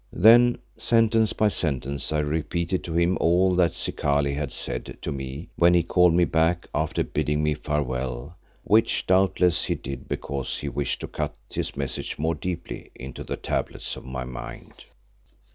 Then sentence by sentence I repeated to him all that Zikali had said to me when he called me back after bidding me farewell, which doubtless he did because he wished to cut his message more deeply into the tablets of my mind.